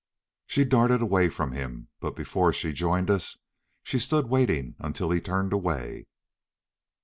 She darted away from him, but before she joined us she stood waiting until he turned away.